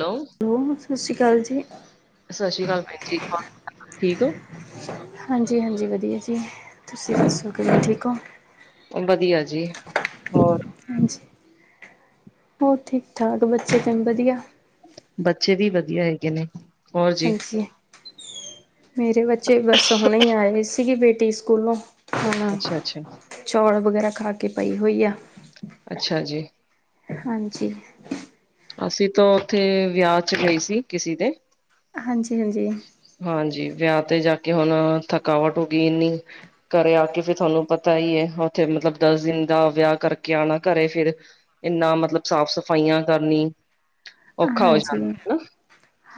Hello! ਸਤਿ ਸ਼੍ਰੀ ਅਕਾਲ ਜੀ। ਸਤਿ ਸ਼੍ਰੀ ਅਕਾਲ ਭੈਣ ਜੀ, ਹੋਰ ਠੀਕ ਹੋ? ਹਾਂਜੀ! ਹਾਂਜੀ! ਵਧੀਆ ਜੀ, ਤੁਸੀਂ ਦੱਸੋ ਕਿਵੇਂ ਠੀਕ ਹੋ? ਵਧੀਆ ਜੀ, ਹੋਰ? ਹਾਂਜੀ! ਹੋਰ ਠੀਕ-ਠਾਕ, ਬੱਚੇ ਕਿਵੇਂ ਵਧੀਆ? ਬੱਚੇ ਵੀ ਵਧੀਆ ਹੈਗੇ ਨੇ, ਹੋਰ ਜੀ? ਹਾਂਜੀ! ਮੇਰੇ ਬੱਚੇ ਬਸ ਹੁਣੇ ਹੀ ਆਏ ਸੀ ਬੇਟੀ ਸਕੂਲੋਂ ਹਾਂ, ਅੱਛਾ-ਅੱਛਾ। ਚੌਲ ਵਗੈਰਾ ਖਾ ਕੇ ਪਾਈ ਹੋਈ ਆ। ਅੱਛਾ ਜੀ! ਹਾਂਜੀ! ਅਸੀਂ ਤਾਂ ਉੱਥੇ ਵਿਆਹ ਚ, ਗਈ ਸੀ ਕਿਸੇ ਦੇ, ਹਾਂਜੀ- ਹਾਂਜੀ! ਹਾਂਜੀ! ਵਿਆਹ ਤੇ ਜਾ ਕੇ ਹੁਣ ਥਕਾਵਟ ਹੋ ਗਈ ਇੰਨੀ, ਘਰੇ ਆ ਕੇ ਫਿਰ ਤੁਹਾਨੂੰ ਪਤਾ ਹੀ ਹੈ। ਉੱਥੇ ਮਤਲਬ ਦਸ ਦਿਨ ਦਾ ਵਿਆਹ ਕਰਕੇ ਆਉਣਾ ਘਰੇ ਫਿਰ, ਇੰਨਾ! ਮਤਲਬ ਸਾਫ਼-ਸਫ਼ਾਈਆਂ ਕਰਨੀ, ਔਖਾ ਹੋ ਹਾਂਜੀ, ਜਾਂਦਾ ਹਨਾ,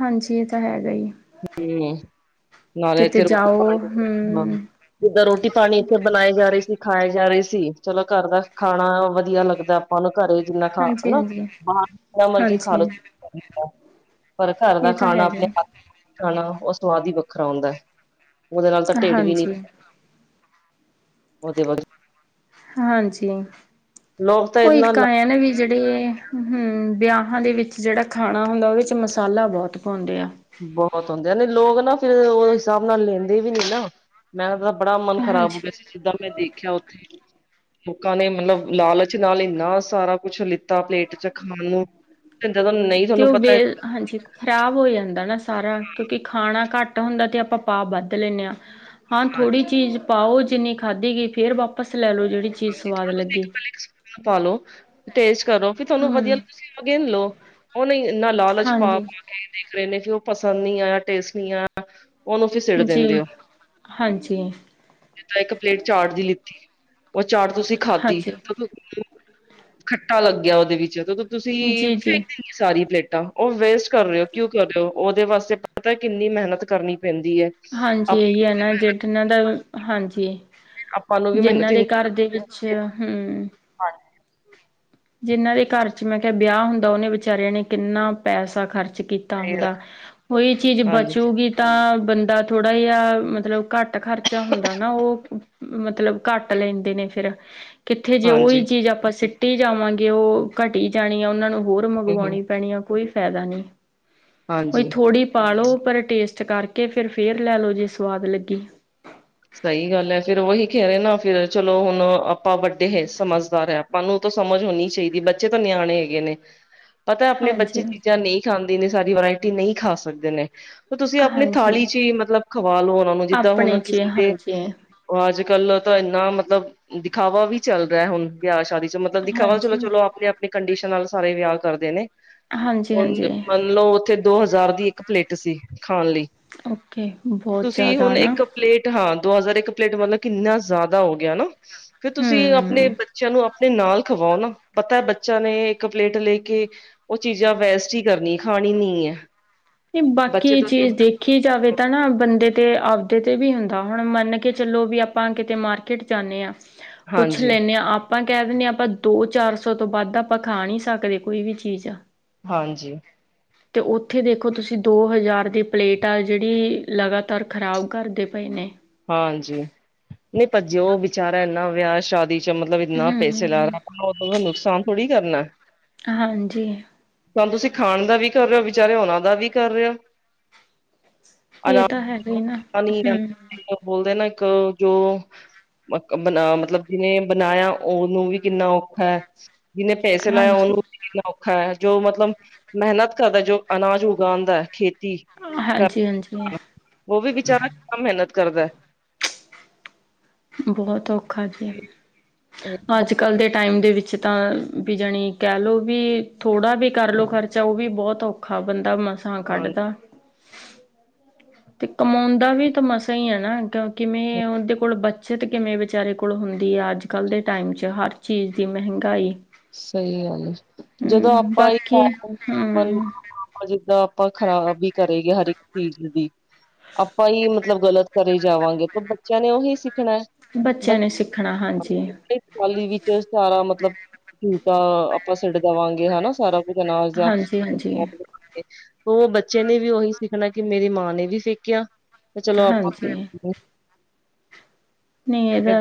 ਹਾਂਜੀ ਇਹ ਤਾਂ ਹੈਗਾ ਹੀ। ਹੱਮ, ਨਾਲੇ ਚ ਕਿਤੇ ਰੋਟੀ ਜਾਓ ਪਾਣੀ ਹਾ। ਹਮ ਜਿੱਦਾਂ! ਰੋਟੀ ਪਾਣੀ ਇੱਥੇ ਬਣਾਏ ਜਾ ਰਹੇ ਸੀ, ਖਾਏ ਜਾ ਰਹੇ ਸੀ, ਚਲੋ ਘਰ ਦਾ ਖਾਣਾ ਵਧੀਆ ਲੱਗਦਾ। ਆਪਾਂ ਨੂੰ ਘਰੇ, ਜਿੰਨਾ ਖਾ ਹਾਂਜੀ ਹਨਾ ਹਾਂਜੀ ਬਾਹਰ ਜਿਨ੍ਹਾਂ ਮਰਜੀ ਹਾਂਜੀ ਖਾ ਲੋ। ਪਰ ਘਰ ਦਾ ਇਹ ਤਾਂ ਖਾਣਾ ਹੈਗਾ ਆਪਣੇ ਹੱਥ, ਖਾਣਾ, ਉਹ ਸਵਾਦ ਹੀ ਵੱਖਰਾ ਹੁੰਦਾ ਹੈ। ਉਹਦੇ ਨਾਲ ਤਾਂ ਢਿੱਡ ਵੀ ਨਹੀ, ਹਾਂਜੀ ਓਦੇ ਵੱਲ, ਹਾਂਜੀ! ਲੋਕ ਤਾਂ ! ਉਹ ਇਹਨਾ ਇੱਕ ਆਇਆ ਵੀ ਨੀ, ਜਿਹੜੇ, ਹਮ ਵਿਆਹਾਂ ਦੇ ਵਿੱਚ ਜਿਹੜਾ ਖਾਣਾ ਹੁੰਦਾ ਉਹਦੇ ਵਿੱਚ ਮਸਾਲਾ ਬਹੁਤ ਪਾਉਂਦੇ ਆ। ਬਹੁਤ ਹੁੰਦੇ ਆ, ਨਹੀਂ ਲੋਕ ਨਾ ਫਿਰ ਉਹ ਹਿਸਾਬ ਨਾਲ ਲੈਂਦੇ ਵੀ ਨੀ, ਨਾ ਮੈਂ ਤਾਂ ਬੜਾ ਮਨ, ਖਰਾਬ ਹੋ ਗਿਆ ਹਾਂਜੀ ਸੀ। ਜਿੱਦਾਂ ਮੈਂ ਦੇਖਿਆ ਉੱਥੇ, ਲੋਕਾਂ ਨੇ ਮਤਲਬ ਲਾਲਚ ਨਾਲ ਇੰਨਾ ਸਾਰਾ ਕੁਛ ਲਿੱਤਾ ਪਲੇਟ ਚ ਖਾਣ ਨੂੰ, ਤੇ ਜਦੋਂ ਨਹੀਂ ਤੇ ਤੁਹਾਨੂੰ ਉਹ ਵੇ ਪਤਾ, ਹਾਂਜੀ! ਖ਼ਰਾਬ ਹੋ ਜਾਂਦਾ ਨਾ, ਸਾਰਾ ਕਿਉਂਕਿ ਖਾਣਾ ਘੱਟ, ਏਦਾਂ ਹੁੰਦਾ ਤੇ, ਆਪਾਂ ਪਾ ਵੱਧ ਲੈਂਦੇ ਹਾਂ। ਹਾਂ ਥੋੜ੍ਹੀ ਚੀਜ਼, ਪਾਓ, ਜਿੰਨੀ ਖਾਧੀ ਗਈ, ਫੇਰ ਵਾਪਸ ਲੈ ਲਓ ਜਿਹੜੀ ਚੀਜ਼ ਸਵਾਦ ਲੱਗੇ, ਪਾਲੋ, ਟੇਸਟ ਕਰੋ ਵੀ ਤੁਹਾਨੂੰ ਹਮ ਵਧੀਆ ਲੱਗੇ ਲਓ, ਉਹ ਨਹੀਂ ਇੰਨਾ ਲਾਲਚ ਹਾਂਜੀ ਪਾ-ਪਾ ਕੇ ਦੇਖ ਰਹੇ ਨੇ, ਕਿ ਉਹ ਪਸੰਦ ਨਹੀਂ ਆਇਆ, ਟੇਸਟ ਨਹੀਂ ਆਇਆ, ਉਹਨੂੰ ਫ ਸਿੜ ਜੀ ਦਿੰਦੇ ਹੋ, ਹਾਂਜੀ ਜ ਤਾਂ ਇੱਕ ਪਲੇਟ ਚਾਟ ਦੀ ਲਿੱਤੀ, ਉਹ ਚਾਟ ਤੁਸੀਂ ਖਾਧੀ ਹਾਂਜੀ ਤੇਦੋਂ ਖੱਟਾ ਲੱਗਿਆ ਉਹਦੇ ਵਿੱਚ ਤ ਤੁਸੀਂ ਜੀ ਫੇਕ ਜੀ ਦੇਣੀ ਸਾਰੀ ਪਲੇਟਾਂ ਉਹ ਵੇਸਟ ਕਰ ਰਹੇਓ ਕਿਉਂ ਕਰ ਰ ਹੋ ਉਹਦੇ ਵਾਸਤੇ ਪਤਾ ਕਿੰਨੀ ਮਿਹਨਤ ਕਰਨੀ ਪੈਂਦੀ ਹੈ ਹਾਂਜੀ ਇਹੀ ਹੈ ਨਾ ਜਿਨਾਂ ਦਾ ਹਾਂਜੀ ਆਪਾਂ ਨੂੰ ਵੀ ਮਿਹਨਤ ਜਿਹਨਾਂ ਦੇ ਘਰ ਦੇ ਵਿੱਚ ਅੱਛਾ ਹਮ ਹਰ ਜਿੰਨਾਂ ਦੇ ਘਰ ਚ ਮੈਂ ਕੇਆ ਬੇਆ ਹੁੰਦਾ, ਓਨਾ ਨੇ ਵਿਚਾਰੇਆਂ ਨੇ ਕਿੰਨਾ ਪੈਸਾ ਖਰਚ ਕੀਤਾ ਹੁੰਦਾ, ਓਈ ਚੀਜ ਹਾਂਜੀ, ਬਚੂਗੀ ਤਾਂ, ਬੰਦਾ ਥੋੜਾ ਜੇਆ, ਮਤਲਬ ਘਾੱਟ ਖਰਚਾ ਹੁੰਦਾ ਨਾ ਓ। ਮਤਲਬ ਘਾੱਟ ਲੈਂਦੇ ਨੇ ਫੇਰ ਕਿੱਥੇ ਜੇ ਹਾਂਜੀ ਓਈ ਚੀਜ ਆਪਾਂ ਸਿੱਟੀ ਜਾਵਾਂਗੇ ਓ, ਘਟੀ ਜਾਣੀ ਆ ਓਨਾ ਨੂੰ ਹੋਰ ਹੂੰ, ਹੂੰ, ਮੰਗਵਾਓਣੀ ਪੈਣੀ ਆ ਕੋਈ ਫੈਦਾ ਨੀ, ਓਈ ਹਾਂਜੀ। ਥੋੜੀ ਪਾਲੋ਼ ਪਰ ਟੇਸਟ ਕਾਰਕੇ ਫੇਰ, ਫੇਰ ਲੈ ਲੋ ਜੇ ਸਵਾਦ ਲੱਗੀ। ਸਹੀ ਗੱਲ ਐ, ਫੇਰ ਓਈ ਕੇ ਰੇ ਨਾ ਫਿਰ ਚਲੋ ਹੁਨ ਆਪਾਂ ਵੱਡੇ ਹੇ ਸਮਝਦਾਰ ਹੈ ਆ- ਆਪਾਂ ਨੂੰ ਤਾਂ ਸਮਝ ਹੋਨੀ ਚਈਦੀ ਬੱਚੇ ਤੋ ਨਿਆਣੇ ਹੇਗੇ ਨੇ, ਪਤਾ ਆਪਣੇ ਬੱਚੇ ਹਾਂਜੀ ਚੀਜ਼ਾਂ ਨਈ ਖਾਂਦੇ ਨੇ ਸਾਰੀ ਵਰਾਇਟੀ ਨਈ ਖਾ ਸਕਦੇ ਨੇ ਤੁਸੀ ਆਪਨੀ ਹਾਂਜੀ ਥਾਲੀ਼ ਚੀ ਮਤਲਬ ਖਵਾ ਲੋ ਓਨਾਂ ਨੂੰ, ਜਿੱਦਾਂ ਆਪਣੇ ਹੋਨ ਕਿਸ ਚ ਹਾਂਜੀ। ਓ ਅੱਜ-ਕੱਲ ਤਾਂ ਏਨਾ ਮਤਲਬ, ਦਿਖਾਵਾ ਵੀ ਚੱਲ ਰੇਆ ਹੁਨ। ਵਿਆਹ ਸ਼ਾਦੀ ਚ ਮਤਲਬ ਦਿਖਾ ਵਾ ਚਲੋ, ਹਾਂਜੀ ਚਲੋ ਆਪਨੇ-ਆਪਨੇ ਕੰਡੀਸ਼ਨ ਨਾਲ ਸਾਰੇ ਵੇਆ ਕਰਦੇ ਨੇ। ਹਾਂਜੀ ਹੁਨ ਹਾਂਜੀ। ਮੰਨ ਲੋ ਓਥੇ ਦੋ ਹਜ਼ਾਰ ਦੀ ਇੱਕ ਪਲੇਟ ਸੀ, ਖਾਨ ਲਈ ਓਕੇ ਬਹੁਤ ਤੁਸੀ ਜ਼ਿਆਦਾ ਹੁਨ ਨਾ ਇੱਕ ਪਲੇਟ ਹਾਂ, ਦੋ ਹਜ਼ਾਰ ਇੱਕ ਪਲੇਟ ਮਤਲਬ ਕਿੰਨਾ ਜਾ਼ਦਾ ਹੋ ਗੇਆ ਨਾ ਫੇਰ ਤੁਸੀਂ ਆਪਨੇ ਹੂੰ ਬੱਚੇਆਂ ਨੂੰ ਆਪਨੇ ਨਾਲ ਖਵਾਓ ਨਾ, ਪਤਾ ਬੱਚਾ ਨੇ ਇੱਕ ਪਲੇਟ ਲੇ ਕੇ ਓ ਚੀਜਾ ਵੈਸਟ ਈ ਕਰਨੀ ਖਾਣੀ ਨੀ ਐ। ਨੀ ਬਾਕੀ ਚੀਜ਼ ਦੇਖ ਦੇਖੀ ਜਾਵੇ ਤਾਂ ਨਾ ਬੰਦੇ ਤੇ ਆਪਦੇ ਤੇ ਵੀ ਹੁੰਦਾ, ਹੁਣ ਮਾੰਨ ਕੇ ਚਲੋ ਵੀ ਆਪਾਂ ਕਿਤੇ ਮਾਰ ਜਾਂਨੇ ਆ, ਕੁੱਛ ਹਾਂਜੀ। ਲੈਂਨੇ ਆ ਆਪ ਆਪਾਂ ਕੈ ਦਿੰਨੇ ਆ, ਆਪਾਂ ਦੋ ਚਾਰ ਸੌ ਤੋਂ ਬਾੱਦ ਆਪਾਂ ਖਾ ਨੀ ਸਾਕਦੇ ਕੋਈ ਵੀ ਚੀਜ। ਹਾਂਜੀ। ਤੇ ਓਥੇ ਦੇਖੋ ਦੇਖੋ ਤੁਸੀਂ ਦੋ ਹਜਾਰ ਦੀ ਪਲੇਟ ਆ, ਜੇੜੀ ਲਗਾਤਾਰ ਖਰਾਬ ਕਰਦੇ ਪਏ ਨੇ। ਹਾਂਜੀ, ਨਈ ਪਰ ਜੇ ਓ ਵਿਚਾਰਾ ਏਨਾ ਵਿਆਹ ਸ਼ਾਦੀ ਚ ਮਤਲਬ ਇੰਨਾ ਪੇਸੇ ਲਾ ਹੂੰ ਓਦਾ ਨੁਕਸਾਨ ਥੋੜੀ ਕਰਨੈ। ਹਾਂਜੀ। ਹੋਣ ਤੁਸੀਂ ਖਾਣ ਦਾ ਵੀ ਕਰ ਰੇ ਓ, ਵਿਚਾਰੇ ਓਨਾਂ ਦਾ ਵੀ ਕਰ ਰੇ ਓ। ਇਹ ਤਾਂ ਹੈਗਾ ਹੀ ਨਾ ਹੂੰ [unintelligible] ਮਕ ਬਨਾ ਮਤਲਬ, ਜਿਨੇ ਬਨਾਏਆ ਓਨੂੰ ਵੀ ਕਿੰਨਾ ਓਖਾ ਐ। ਜਿਨੇ ਪੇਸੇ ਲਾਏ ਆ ਹਾਂਜੀ ਓਨੂੰ ਵੀ ਕਿੰਨਾ ਓਖਾ ਏ, ਜੋ ਮਤਲਬ ਮੈਹਨਤ ਕਰਦਾ ਜੋ ਅਨਾਜ ਉਗਾਓਂਦਾ ਐ ਖੇ ਹਾਂਜੀ [unintelligible] ਹਾਂਜੀ ਓ ਵੀ ਬੀਚਾਰਾ ਮੇਹਨਤ ਕਰਦਾ ਐ। ਬਹੋਤ ਔਖਾ ਜੀ, ਇਹ ਆੱਜ ਕੱਲ ਦੇ ਟਾਈਮ ਦੇ ਵਿੱਚ ਤਾਂ, ਵੀ ਜਣੀ ਕੈਹ ਲੋ ਵੀ ਥੋੜਾ ਵੀ ਕਾਰ ਲੋ ਖਰਚਾ ਓ ਵੀ ਬੋਤ ਔਖ ਔਖਾ, ਬੰਦਾ ਮਸਾਂ ਹਾਂ ਕਾਡਦਾ। ਤੇ ਕਮਾਉਂਦਾ ਵੀ ਤਾਂ ਮਸਾਂ ਈ ਆ ਨਾ, ਕੇਓ ਕਿਵੇਂ ਓਦੇ ਕੋਲ ਬੱਚਤ ਤੇ ਕਿਵੇਂ ਵਿਚਾਰੇ ਕੋਲ਼ ਹੁੰਦੀ ਆ, ਆੱਜ-ਕਾੱਲ ਦੇ ਟਾਈਮ ਚ ਹਾਰ ਚੀਜ ਦੀ ਮੈਂਹਗਾਈ। ਸਈ ਗੱਲ ਏ, ਜਦੋਂ ਆਪਾਂ ਬਾਕੀ [unintelligible] ਆਪਾ ਹਮ ਜਿੱਦਾ, ਆਪਾ ਖਰਾਬ ਈ ਕਰੇਗੇ ਹਰ ਇੱਕ ਚੀਜ ਦੀ ਆਪਾ ਹੀ ਮਤਲਬ ਗਲਤ ਕਰੇ ਜਾਵਾਂਗੇ ਤੋ ਬੱਚੇਆ ਨੇ ਓਹੀ ਸਿੱਖਣੈ। ਬੱਚੇਆਂ ਨੇ ਸਿੱਖਣਾ ਹਾਂਜੀ। ਥਾਲੀ ਵਿੱਚ ਸਾਰਾ ਮਤਲਬ, ਝੂਟਾ ਆਪਾਂ ਸਟ ਦਵਾਂਗੇ ਹੈਨਾ ਸਾਰਾ ਅਨਾਜ ਦਾ ਹਾਂਜੀ ਹਾਂਜੀ [unintelligible] ਓ ਬੱਚੇਆ ਨੇ ਵੀ ਓਹੀ ਸਿੱਖਨਾ ਕਿ ਮੇਰੀ ਮਾਂ ਨੇ ਵੀ ਫੇਕੇਆ ਤੇ ਚਲੋ ਆਪਾਂ ਹਾਂਜੀ ਨਈ ਏਦਾ,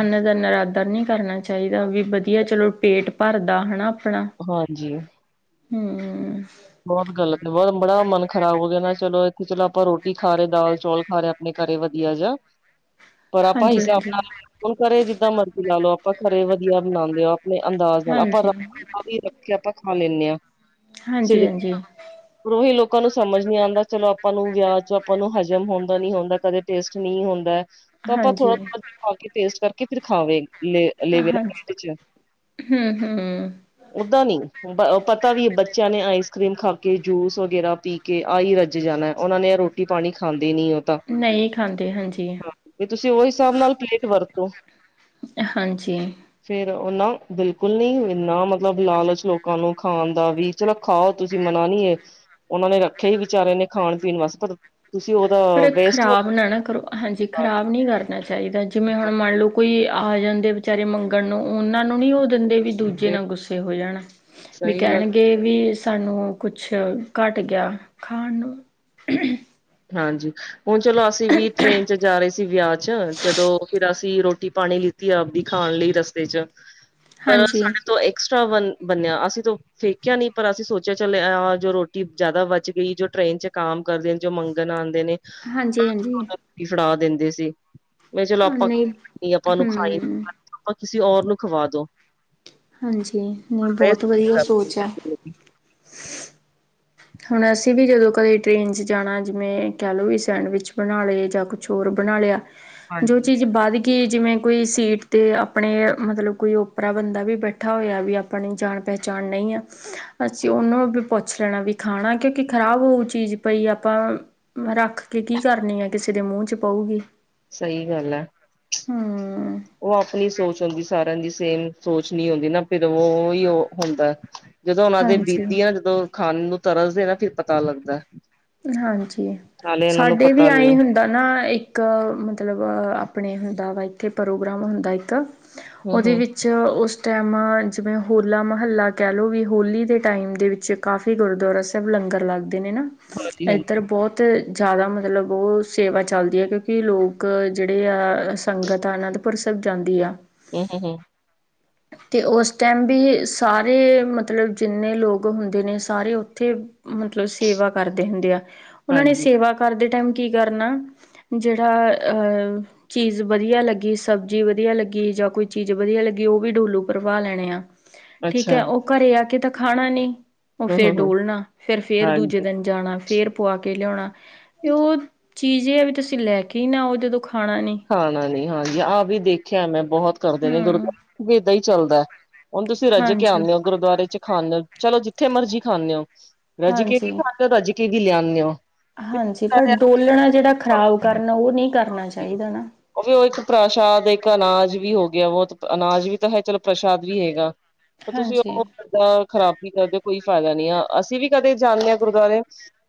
ਅੰਨ ਦਾ ਨਰਾਦਰ ਨੀ ਕਰਨਾ ਚਾ ਚਾਈਦਾ ਵੀ ਬਦੀਆ ਚਲੋ ਪੇਟ ਭਰਦਾ ਹਣਾ ਆਪਣਾ। ਹਾਂਜੀ। ਹੂੰ। ਬਹੁਤ ਗਲਤ ਏ ਬਹੁਤ ਬੜਾ ਮਨ ਖਰਾਬ ਹੋ ਗਿਆ ਨਾ ਚਲੋ ਇੱਥੇ ਚਲੋ ਆਪਾਂ ਰੋਟੀ ਖਾ ਰਹੇ ਦਾਲ ਚੌਲ ਖਾ ਰਹੇ ਆਪਾਂ ਇਹ ਘਰ ਏ ਵਧੀਆ ਜਾ। ਪਰ ਆਪਾਂ ਹਾਂਜੀ ਹਿਸਾਬ ਹਾਂਜੀ ਨਾਲ ਹੁਣ ਘਰੇ ਜਿੱਦਾਂ ਮਰਜ਼ੀ ਲਾ ਲਓ ਆਪਾਂ ਘਰੇ ਵਧੀਆ ਬਣਾਉਂਦੇ ਆ। ਆਪਣੇ ਅੰਦਾਜ਼ ਨਾਲ ਆਪਾਂ ਹਾਂਜੀ ਰੱਖ [inaudible] ਵੀ ਰੱਖ ਕੇ ਆਪਾਂ ਖਾ ਲੈਂਨੇ ਆਂ। ਹਾਂਜੀ, ਹਾਂਜੀ। ਓਹੀ ਲੋਕਾਂ ਨੂੰ ਸਮਝ ਨੀ ਆਂਦਾ ਚਲੋ ਆਪਾਂ ਨੂੰ ਵਿਆਹ ਚ ਆਪਾਂ ਨੂੰ ਹਜ਼ਮ ਹੁੰਦਾ ਨੀ ਹੁੰਦਾ ਕਦੇ ਟੇਸਟ ਨਹੀਂ ਹੁੰਦੈ, ਤਾਂ ਆਪਾਂ ਹਾਂਜੀ ਥੋੜਾ ਥੋੜ੍ਹਾ ਜਿਹਾ ਖਾ ਕੇ ਟੇਸਟ ਕਰਕੇ ਫਿਰ ਖਾਵੇ ਲੇ ਲੇਵੇ ਨਾ ਹਾਂਜੀ ਪੇਟ ਚ [unintelligible] ਹੂੰ ਹੂੰ ਓਦਾਂ ਨੀ, ਪਤਾ ਵੀ ਬੱਚੇ ਬੱਚਿਆਂ ਨੇ ਆਈਸ ਕਰ੍ਰੀਮ ਖਾ ਕੇ, ਜੂਸ ਵਗੈਰਾ ਪੀ ਕੇ, ਆ ਹੀ ਰੱਜ ਜਾਨੈ ਉਹਨਾਂ ਨੇ ਰੋਟੀ ਪਾਣੀ ਖਾਂਦੇ ਨੀ ਉਹ ਹਾਂ ਨਹੀਂ ਖਾਂਦੇ ਹਾਂਜੀ ਤੇ, ਤੁਸੀਂ ਉਹ ਹਿਸਾਬ ਨਾਲ ਪਲੇਟ ਵਰਤੋ। ਹਾਂਜੀ। ਫੇਰ ਓ ਨਾ, ਬਿਲਕੁਲ ਨੀ ਇੰਨਾ ਮਤਲਬ ਲਾਲਚ ਲੋਕਾਂ ਨੂੰ ਖਾਨ ਦਾ ਵੀ ਚਲੋ ਖਾਓ ਤੁਸੀਂ ਮਨਾ ਨਹੀਂ ਏ, ਉਹਨਾਂ ਨੇ ਰੱਖੇਆ ਈ ਵਿਚਾਰੇ ਨੇ ਖਾਣ ਪੀਣ ਵਾਸਤੇ ਪਰ ਤੁਸੀਂ ਉਹਦਾ ਪਰ ਵੇਸਟ ਖ਼ਰਾਬ ਨਾ ਨਾ ਕਰੋ, ਹਾਂਜੀ ਖ਼ਰਾਬ ਨੀ ਕਰ ਚਾਹੀਦੈ, ਜਿਵੇਂ ਹੁਣ ਮੰਨ ਲਓ ਕੋਈ ਆ ਜਾਂਦੇ ਵਿਚਾਰੇ ਮੰਗਣ ਨੂੰ, ਉਹਨਾਂ ਨੂੰ ਨੀ ਉਹ ਦਿੰਦੇ ਵੀ ਦੂਜੇ ਨਾਲ ਗੁੱਸੇ ਹੋ ਜਾਣਾ, ਵੀ ਸਹੀ ਗੱਲ ਕਹਿਣਗੇ ਵੀ ਸਾਨੂੰ ਕੁਛ ਘੱਟ ਗਿਆ, ਖਾਣ ਨੂੰ ਹਾਂਜੀ, ਹੁਣ ਚਲੋ ਅਸੀਂ ਵੀ ਟ੍ਰੇਨ ਚ ਜਾ ਰਹੇ ਸੀ ਵਿਆਹ ਚ, ਜਦੋਂ ਫਿਰ ਅਸੀਂ ਦੀ ਰੋਟੀ ਪਾਣੀ ਲਿੱਤੀ ਆਪਦੀ ਖਾਣ ਲਈ ਰਸਤੇ ਚ, ਪਰ ਹਾਂਜੀ ਸਾਡੇ ਤੋਂ ਐਕਸਟਰਾ ਵਨ ਬੱਨਿਆ, ਅਸੀਂ ਤੋਂ ਫੇਕਿਆ ਨੀ ਪਰ ਅਸੀਂ ਸੋਚਿਆ ਚੱਲ ਆ ਜੋ ਰੋਟੀ ਜ਼ਿਆਦਾ ਵਚ ਗਈ ਜੋ ਟਰੇਨ ਚ ਕਾਮ ਕਰਦੇ ਜੋ ਮੰਗਨ ਆਂਦੇ ਨੇ ਹਾਂਜੀ, ਹਾਂਜੀ। ਫੜਾ ਦਿੰਦੇ ਸੀ, ਮੈਂ ਚਲੋ ਆਪਾਂ, ਨਹੀਂ ਆਪਾਂ ਉਹਨੂੰ ਖਾਈ ਹੂੰ ਆਪਾਂ ਕਿਸੇ ਔਰ ਨੂੰ ਖਵਾ ਦੋ ਹਾਂਜੀ ਨਹੀਂ ਵੇਸਟ ਬਹੁਤ ਨੀ ਵਧੀਆ ਸੋਚ ਐ। ਕਰਦੇ। ਹੁਣ ਅਸੀਂ ਵੀ ਜਦੋਂ ਕਦੇ ਟਰੇਨ 'ਚ ਜਾਣਾ ਜਿਵੇਂ, ਕਹਿ ਲਓ ਵੀ ਸੈਂਡਵਿਚ ਬਣਾ ਲਏ, ਜਾਂ ਕੁਛ ਹੋਰ ਬਣਾ ਲਿਆ। ਜੋ ਹਾਂਜੀ ਚੀਜ਼ ਬਾਅਦ ਕਿ ਜਿਵੇਂ ਕੋਈ ਸੀਟ ਤੇ ਆਪਣੇ, ਮਤਲਬ ਕੋਈ ਓਪਰਾ ਬੰਦਾ ਵੀ ਬੈਠਾ ਹੋਇਆ ਵੀ ਆਪਣੀ ਜਾਣ ਪਹਿਚਾਣ ਨਈਂ ਆਂ, ਅਸੀਂ ਉਹਨਾਂ ਨੂੰ ਵੀ ਪੁੱਛ ਲੈਣਾ ਵੀ ਖਾਣਾ ਕਿਉਂਕਿ ਖ਼ਰਾਬ ਹੋਊ ਚੀਜ਼ ਪਈ ਆਪਾਂ, ਰੱਖ ਕੇ ਕੀ ਕਰਨੀ ਆ ਕਿਸੇ ਕਿਂਦੇ ਮੂੰਹ ਚ ਪਊਗੀ। ਸਈ ਗੱਲ ਐ। ਹੂੰ। ਉਹ ਆਪਣੀ ਸੋਚ ਹੁੰਦੀ ਸਾਰਿਆਂ ਦੀ ਸੇਮ ਸੋਚ ਨ ਹੁੰਦੀ ਨਾ ਫਿਰ ਉਹ ਉਹਿਔ ਹੁੰਦੈ। ਜਦੋਂ ਉਹਨਾਂ ਦੇ ਹਾਂਜੀ ਬੀਤਦੀ ਐ ਨਾ ਜਦੋਂ ਖਾਨ ਨੂੰ ਤਰਸਦੇ ਨਾ ਫਿਰ ਪਤਾ ਲੱਗਦੈ। ਹਾਂਜੀ, ਸਾਡੇ ਵੀ ਪਤਾ ਨੀ ਆਈ ਹੈ। ਹੀ ਹੁੰ ਦਾ ਨਾ ਇੱਕ ਮਤਲਬ ਆਪਣੇ ਹੁੰਦਾ ਵਾ ਇੱਥੇ ਪ੍ਰੋਗਰਾਮ ਹੁੰਦਾ ਇੱਕ। ਹੂੰ ਔਦੇ ਹੂੰ ਵੀ 'ਚ' ਓਸ ਟੈਮ ਜਿਵੇਂ ਹੋਲਾ-ਮਹੱਲਾ ਕੈ ਲੋ ਵੀ ਹੋਲੀ ਦੇ ਟਾਈਮ ਦੇ ਵਿੱਚ ਕਾਫ਼ੀ ਗੁਰਦੁਆਰਾ ਸੈਬ ਲੰਗਰ ਲੱਗਦੇ ਨੇ ਨਾ, ਹਾਂਜੀ ਹਾਂਜੀ ਐਧਰ ਬੌਤ ਤ ਜੈਦਾ ਮਤਲਬ ਓਹ ਸੇਵਾ ਚੱਲਦੀ ਆ ਕਿਉਂਕਿ ਲੋਕ ਜੇੜੇ ਆ, ਸੰਗਤ ਆਨਾਂ ਪਰ ਸਭ ਜਾਂਦੀ ਆ। ਹੂੰ, ਹੂੰ, ਹੂੰ। ਤੇ ਓਸ ਟੈਮ ਬੀ ਸਾਰੇ ਮਤਲਬ ਜਿੰਨੇ ਲੋਕ ਹੁੰਦੇ ਨੇ ਸਾਰੇ ਔਥੇ ਮਤਲਬ ਸੇਵਾ ਕਰਦੇ ਹੁੰਦੇ ਆ, ਉਨਾਂ ਨੇ ਹਾਂਜੀ ਸੇਵਾ ਕਰਦੇ ਟੈਮ ਕੀ ਕਰਨਾ ਜੇੜਾ ਅ ਚੀਜ਼ ਵਧੀਆ ਲੱਗੀ ਸਬਜ਼ੀ ਵਧੀਆ ਲੱਗੀ ਜਾਂ ਕੋਈ ਚੀਜ਼ ਵਧੀਆ ਲੱਗੀ ਔ ਵੀ ਡੋਲੂ ਭਰਵਾ ਲੈਣੇ ਆ। ਠੀਕ ਅੱਛਾ ਹੈ ਓਹ ਘਰੇ ਆ ਕੇ ਤੇ ਖਾਣਾ ਨੀ ਓਹ ਹੂੰ ਫੇਰ ਹੂੰ ਹੂੰ ਡੋਲਣਾ ਫੇਰ-ਫੇਰ ਦੂਜ ਹਾਂਜੀ ਦਣ ਜਾਣਾ ਫੇਰ ਪਵਾ ਕੇ ਲਿਆਣਾ, ਔਹ ਚੀਜ਼ ਏਐ ਵੀ ਤੁਸੀਂ ਲੈ ਕੇ ਈ ਨਾ ਆਓ ਜਦੋਂ ਖਾਣਾ ਨੀ। ਖਾਣਾ ਨੀ ਹਾਂਜੀ ਆਹ ਵੀ ਦੇਖਿਆ ਮੈਂ ਬਹੌਤ ਕਰਦੇ ਨੇ ਗੁਰ ਹਮ ਵੀ ਏਦਾਂ ਈ ਚੱਲਦੈ। ਹੋਣ ਤੁਸੀਂ ਰੱਜ ਕੇ ਹਾਂਜੀ ਆਣੇ ਔ, ਗੁਰਦੁਆਰੇ ਚ ਖਾਂਣੇ ਔ, ਚਲੋ ਜਿੱਥੇ ਮਰਜੀ ਖਾਂਣੇ ਔ, ਰਜ ਕੇ ਹਾਂਜੀ ਵੀ ਖਾ ਰੱਜ ਕੇ ਕੀ ਲਿਆਨਦੇ ਹੋ। ਹਾਂਜੀ, ਪਰ ਡੋਲਣਾ ਜਿਹੜਾ ਖ਼ਰਾਬ ਕਰਨਾ ਉਹ ਨਹੀਂ ਕਰਨਾ ਚਾਹੀਦਾ ਨਾ। ਉਹ ਵੀ ਉਹ ਇੱਕ ਪ੍ਰਸ਼ਾਦ ਇੱਕ ਅਨਾਜ ਵੀ ਹੋ ਗਿਆ ਬਹੁ ਅਨਾਜ ਵੀ ਤਾਂ ਹੈ ਚਲੋ ਪ੍ਰਸ਼ਾਦ ਵੀ ਹੈਗਾ। ਫੇਰ ਤੁਸੀਂ ਹਾਂਜੀ ਓਹ [inaudible] ਨਾ ਔ ਖਰਾਬੀ ਕਰਦੇ ਕੋਈ ਫੈਦਾ ਨੀ ਆ ਅਸੀਂ ਵੀ ਕਦੇ ਜਾਂਣੇ ਆਂ ਗੁਰਦੁਆਰੇ।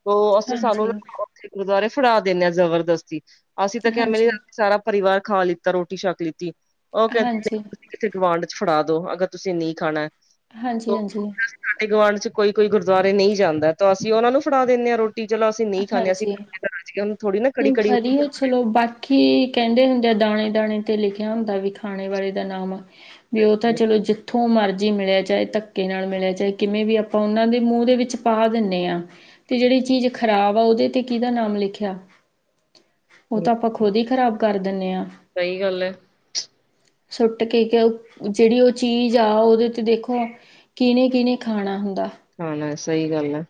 ਦੋ ਅਸੀਂ ਸਾਨੂੰ ਹਾਂਜੀ [unintelligible] ਔਥੇ ਗੁਰਦੁਆਰੇ ਫੜਾ ਦੇਣੇ ਆਂ ਜਬਰਦਸਤੀ ਅਸੀਂ ਤਾਂ ਹਾਂਜੀ ਕੈਮ ਹਾਂਜੀ [unintelligible] ਸਾਰਾ ਪਰਿਵਾਰ ਖਾ ਲਿੱਤਾ ਰੋਟੀ ਛੱਕ ਲਿੱਤੀ ਔ ਕੈ [inaudible] ਹਾਂਜੀ ਕਿਸੇ ਗਵਾਂਢ ਚ ਫੜਾ ਦੋ ਅਗਰ ਤੁਸੀਂ ਨੀ ਖਾਣੈ। ਹਾਂਜੀ, ਹਾਂਜੀ। ਸਾਡੇ ਗੁਆਂਢ ਚ ਕੋਈ ਕੋਈ ਗੁਰਦੁਆਰੇ ਨਹੀਂ ਜਾਂਦਾ ਤਾਂ ਅਸੀਂ ਔਨਾਂ ਨੂੰ ਫੜਾ ਦਿੰਣੇ ਆਂ ਰੋਟ ਟੀ ਚਲੋ ਅਸੀਂ ਨਹੀਂ ਖਾਂਣੇ ਆਂ ਅਸੀਂ ਹਾਂਜੀ ਮੈਂ ਕੇ ਰੱਜ ਗੇ ਹੁਣ ਥੋੜੀ ਨਾ ਨਹੀਂ ਕੜੀ-ਕੜੀ ਵਧੀਆ ਚਲੋ ਬਾਕੀ ਕੈੰਦੇ ਹੁੰਦੇ ਆ ਦਾਣੇ-ਦਾਣੇ 'ਤੇ ਲਿਖਿਆ ਹੁੰਦਾ ਵੀ ਖਾਣੇ ਵਾਲੇ ਦਾ ਨਾਮ। ਵੀ ਓ ਤਾਂ ਚਲੋ ਜਿੱ ਥੋਂ ਮਰਜ਼ੀ ਮਿਲਿਆ ਚਾਏ ਧੱਕੇ ਨਾਲ ਮਿਲਿਆ ਚਾਏ ਕਿਵੇਂ ਵੀ ਅਪਾਂ ਉਨਾਂ ਦੇ ਮੂੰਹ ਦੇ ਵਿੱਚ ਪਾ ਦਿੰਣੇ ਆਂ। ਤੇ ਜੇੜੀ ਚੀਜ਼ ਖ਼ਰਾਬ ਆ ਓਦੇ ਤੇ ਕਿਦਾ ਨਾਮ ਲਿਖਿਆ। ਓਹ ਤਾਂ ਅਪਾਂ ਖੁਦ ਹੀ ਖ਼ਰਾਬ ਕਰ ਦਿੰਣੇ ਆਂ। ਸਹੀ ਗੱਲ ਐ। ਸੁੱਟ ਕੇ ਕਿਓ ਜੇੜੀ ਔ ਚੀਜ਼ ਆ ਔਦੇ ਤੇ ਦੇਖੋ। ਕਿਨੇ-ਕਿਨੇ ਖਾਣਾ ਹੁੰਦਾ। ਹਾਂ, ਸਹੀ ਗੱਲ ਐ।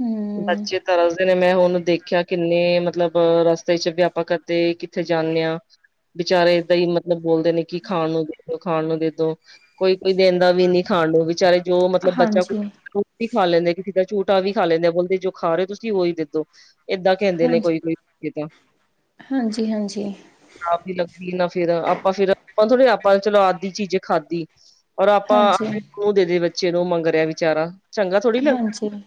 ਹਮ ਬੱਚੇ ਤਰਸਦੇ ਨੇ ਮੈਂ ਹੂਣ ਦੇਖ ਖਿਆ ਕਿੰਨੇ ਮਤਲਬ ਰਸਤੇ ਚ ਵੀ ਅਪਾਂ ਕਦੇ ਕਿੱਥੇ ਜਾਂਣੇ ਆਂ, ਬਿਚਾਰੇ ਏਦਾਂ ਹੀ ਲਬ ਬੋਲਦੇ ਨੇ ਕਿ ਖਾਣ ਨੂੰ ਦੇਦੋ, ਖਾਣ ਨੂੰ ਦੇਦੋ, ਕੋਈ-ਕੋਈ ਦੇੰਦਾ ਵੀ ਨੀ ਖਾਣ ਨੂੰ ਵਿਚਾਰੇ ਜੋ ਮਤਲਬ ਬੱਚਾ ਕੁ ਹਾਂਜੀ ਝੂਠ ਵੀ ਖਾ ਲੈਂਦੇ ਕਿਸੇ ਦਾ ਝੂਟਾ ਵੀ ਖਾ ਲੈਂਦੇ ਆ ਬੋਲਦੇ ਜੋ ਖਾ ਰੇ ਤੁਸੀਂ ਓਹੀ ਦੇਦੋ। ਏਦਾਂ ਕੈੰਦੇ ਨੇ ਹਾਂਜੀ ਕੋਈ-ਕੋਈ ਕੇਤਾਂ। ਹਾਂਜੀ, ਹਾਂਜੀ। ਖਰਾਬ ਨੀ ਲੱਗਦੀ ਨਾ ਫੇਰ ਆਪਾਂ ਫੇਰ ਆਪਾ ਥੋੜੀ ਆਪਾਂ ਤੇ ਚਲੋ ਆਧੀ ਚੀਜ਼ੇ ਖਾਧੀ। ਔਰ ਆਪਾਂ ਹਾਂਜੀ ਔ ਦੇਦੇ ਬੱਚੇ ਨੂੰ ਮੰਗ ਰਿਐ ਵਿਚਾਰਾ ਚੰਗਾ ਥੋੜ੍ਹੀ ਲੱਗਦੈ। ਸੇਵਾ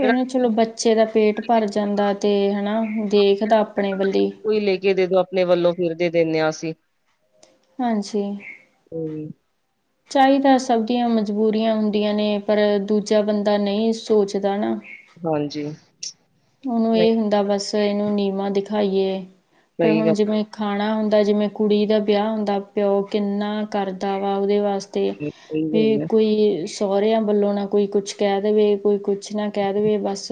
ਇਹਨੂ ਚਲੋ ਬੱਚੇ ਦਾ ਪੇਟ ਭਰ ਜਾਂਦਾ ਤੇ ਹੈਨਾ ਦੇਖਦਾ ਅਪਣੇ ਵੱਲੀ। ਕੋਈ ਲੇ ਕੇ ਦੇਦੋ ਅਪਣੇ ਵੱਲੋਂ ਫਿਰ ਦੇ ਦਿੰਣੇ ਆਂ ਅਸੀਂ। ਹਾਂਜੀ। ਸਹੀ। ਚਾਹੀਦਾ ਸਭ ਦੀਆਂ ਮਜਬੂਰੀਆਂ ਹੁੰਦੀਆਂ ਨੇ ਪਰ ਦੂਜਾ ਬੰਦਾ ਨਹੀਂ ਸੋਚਦਾ ਨਾ ਹਾਂਜੀ ਉਹਨੂੰ ਨਹੀਂ ਇਹ ਹੁੰਦਾ ਬਸ ਇਹਨੂੰ ਨਿਯਮਾਂ ਦਿਖਾਈਏ ਪਰ ਸਹੀ ਹੁਣ ਗੱਲ ਜਿਵੇਂ ਖਾਣਾ ਹੁੰਦਾ ਜਿਵੇਂ ਕੁੜੀ ਦਾ ਵਿਆਹ ਹੁੰਦਾ ਪਿਓ ਕਿੰਨਾ ਕਰਦਾ ਵਾ ਉਹਦੇ ਵਾਸਤੇ ਤੇ ਹੈ, ਸਹੀ ਵੀ ਗੱਲ ਐ, ਕੋਈ ਸਹੁਰਿਆਂ ਵੱਲੋਂ ਨਾ ਕੋਈ ਕੁਛ ਕਹਿ ਦੇਵੇ ਕੋਈ ਕੁਛ ਕੁਛ ਨਾ ਕਹਿ ਦੇਵੇ ਬਸ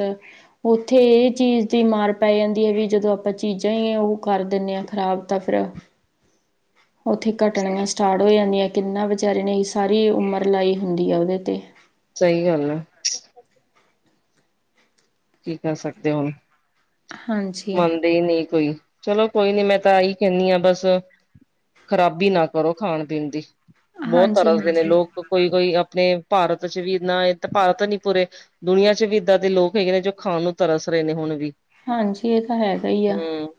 ਉੱਥੇ ਇਹ ਚੀਜ਼ ਦੀ ਮਾਰ ਪੈ ਜਾਂਦੀ ਹੈ ਵੀ ਜਦੋਂ ਆਪਾਂ ਚੀਜ਼ਾਂ ਹੀ ਉਹ ਕਰ ਦਿੰਦੇ ਹਾਂ ਖ਼ਰਾਬ ਤਾਂ ਫਿਰ [inaudible] [inaudible] ਉੱਥੇ ਘੱਟਣੀਆਂ ਸੀ ਸਟਾਰਟ ਹੋ ਜਾਂਦੀਆਂ ਕਿੰਨਾ ਵਿਚਾਰੇ ਨੇ ਸਾਰੀ ਉਮਰ ਲਾਈ ਹੁੰਦੀ ਆ ਉਹਦੇ 'ਤੇ ਸਹੀ ਗੱਲ ਆ ਕੀ ਕਰ ਸਕਦੇ ਹੁਣ ਹਾਂਜੀ ਮੰਨਦੇ ਹੀ ਨਹੀਂ ਕੋਈ ਚਲੋ ਕੋਈ ਨੀ ਮੈਂ ਤਾਂ ਇਹੀ ਕਹਿੰਦੀ ਹਾਂ ਬਸ ਖਰਾਬੀ ਨਾ ਕਰੋ ਖਾਣ ਪੀਣ ਦੀ ਬਹੁਤ ਤਰ੍ਹਾਂ ਹਾਂਜੀ ਦੇ ਨੇ ਹਾਂਜੀ ਲੋਕ ਕੋਈ ਕੋਈ ਆਪਣੇ ਭਾਰਤ ਚ ਵੀ ਇਨਾ ਭਾਰਤ ਨੀ ਪੂਰੇ ਦੁਨੀਆਂ ਚ ਵੀ ਇੱਦਾਂ ਦੇ ਲੋਕ ਹੈਗੇ ਨੇ ਜੋ ਖਾਣ ਨੂੰ ਤਰਸ ਰਹੇ ਨੇ ਹੁਣ ਵੀ ਹਾਂਜੀ ਇਹ ਤਾਂ ਹੈਗਾ ਹੀ ਆ ਹੂੰ।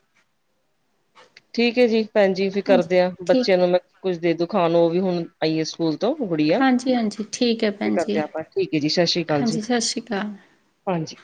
ਠੀਕ ਹੈ ਜੀ ਭੈਣਜੀ ਫਿਰ ਕਰਦੇ ਹਾਂਜੀ ਆ ਠੀਕ ਬੱਚਿਆਂ ਨੂੰ ਮੈਂ ਕੁੱਝ ਦੇ ਦੋ ਖਾਣ ਉਹ ਵੀ ਹੁਣ ਆਈਏ ਸਕੂਲ ਤੋਂ ਗੁੜੀਆ ਹਾਂਜੀ ਹਾਂਜੀ ਠੀਕ ਹੈ ਤੇ ਭੈਣ ਜੀ ਕਰਦੇ ਆ ਆਪਾਂ ਠੀਕ ਏ ਜੀ, ਸਸ਼੍ਰੀ ਕਾਲ ਜੀ। ਹਾਂਜੀ ਸਤਿ ਸ਼੍ਰੀ ਅਕਾਲ ਹਾਂਜੀ।